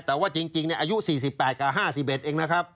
แต่ว่าจริงอายุ๔๘กับ๕๑เองนะครับ